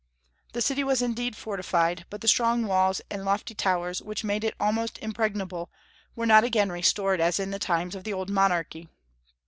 The city was indeed fortified, but the strong walls and lofty towers which made it almost impregnable were not again restored as in the times of the old monarchy.